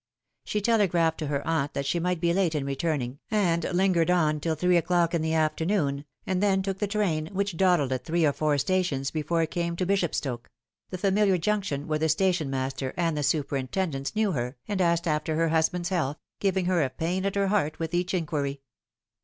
She telegraphed to her aunt that she might be late in return ing, and lingered on till three o'clock in the afternoon, and then took the train, which dawdled at three or four stations before it came to Bishopstoke the familiar junction where the station master and the superintendents knew her and asked after her husband's health, giving her a pain at her heart with each inquiry.